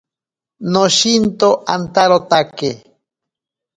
Noshinto antarotake.